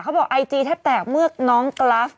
บอกไอจีแทบแตกเมื่อน้องกราฟ